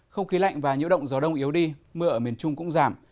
không khí lạnh và nhiễu động gió đông yếu đi mưa ở miền trung cũng giảm